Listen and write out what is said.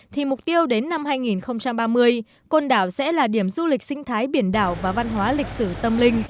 thì mục tiêu đến năm hai nghìn ba mươi côn đảo sẽ là điểm du lịch sinh thái biển đảo và văn hóa lịch sử tâm linh